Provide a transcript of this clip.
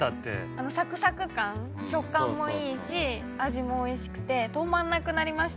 あのサクサク感食感もいいし味もおいしくて止まんなくなりましたね。